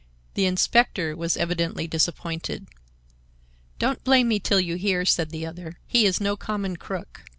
The inspector was evidently disappointed. "Don't blame me till you hear," said the other. "He is no common crook.